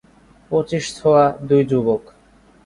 পঁচিশ ছোয়া দুই যুবক।